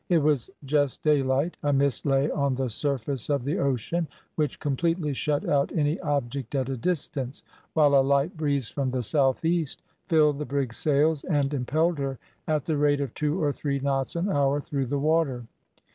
It was just daylight; a mist lay on the surface of the ocean, which completely shut out any object at a distance; while a light breeze from the South east filled the brig's sails and impelled her at the rate of two or three knots an hour through the water.